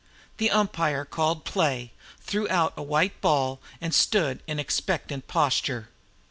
The umpire called play, threw out a white ball, and stood in expectant posture.